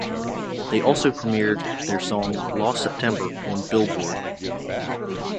They also premiered their song "Lost September" on "Billboard".